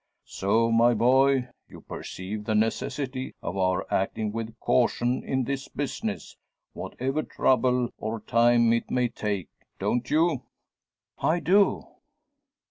So, my boy, you perceive the necessity of our acting with caution in this business, whatever trouble or time it may take don't you?" "I do."